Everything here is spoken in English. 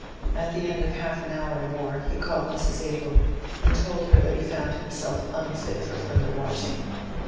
At the end of half an hour or more he called Mrs. Abel and told her that he found himself unfit for further watching.